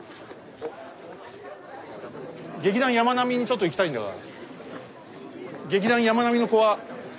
劇団山脈にちょっと行きたいんだが。